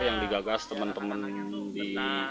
yang digagas teman teman di